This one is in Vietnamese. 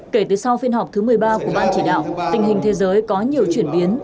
kể từ sau phiên họp thứ một mươi ba của ban chỉ đạo tình hình thế giới có nhiều chuyển biến